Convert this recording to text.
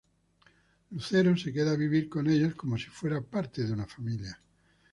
Lucero se queda a vivir con ellos como si fuera parte de una familia.